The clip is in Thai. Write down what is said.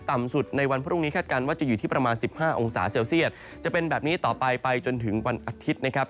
ต่ำสุดในวันพรุ่งนี้คาดการณ์ว่าจะอยู่ที่ประมาณ๑๕องศาเซลเซียตจะเป็นแบบนี้ต่อไปไปจนถึงวันอาทิตย์นะครับ